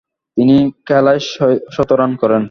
তিনি খেলায় শতরান করেন।